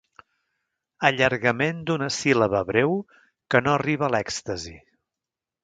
Allargament d'una síl·laba breu que no arriba a l'èxtasi.